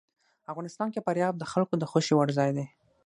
افغانستان کې فاریاب د خلکو د خوښې وړ ځای دی.